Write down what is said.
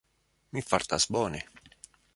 Mi fartas bone.